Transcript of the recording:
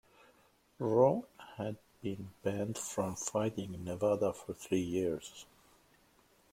Rone had been banned from fighting in Nevada for three years.